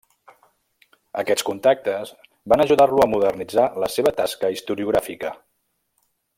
Aquests contactes van ajudar-lo a modernitzar la seva tasca historiogràfica.